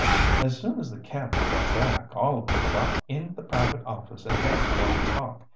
"As soon as the captain got back all of 'em got in the private office and held a long talk.